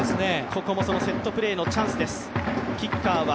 ここもセットプレーのチャンスです。